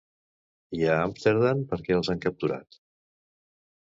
I a Amsterdam perquè els han capturat?